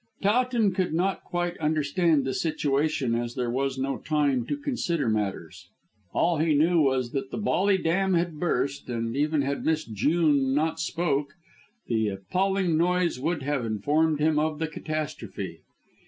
Towton could not quite understand the situation, as there was no time to consider matters. All he knew was that the Bolly Dam had burst, and even had Miss Jewin not spoken, the appalling noise would have informed him of the catastrophe.